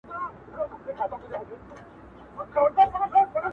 چې دغه خوندور اثر یې پښتو ته اړولی دی